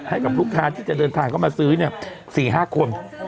ให้กับลูกค้าที่จะเดินทางเข้ามาซื้อ๔๕คน